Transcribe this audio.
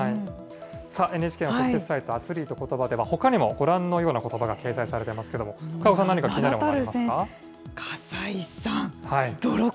ＮＨＫの特設サイト、アスリート×ことばではほかにもご覧のようなことばが掲載されていますけれども、桑子さん、何か気になるものは。